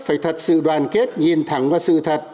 phải thật sự đoàn kết nhìn thẳng vào sự thật